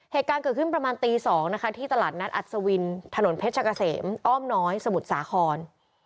เหตุการณ์เกิดขึ้นประมาณตี๒นะคะที่ตลาดนัดอัศวินถนนเพชรกะเสมอ้อมน้อยสมุทรสาคร